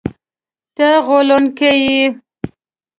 ته غولونکی یې!”